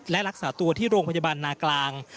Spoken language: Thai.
และรักษาตัวที่โรงพยาบาลนากลาง